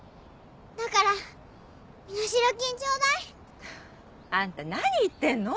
だから身代金ちょうだい！あんた何言ってんの？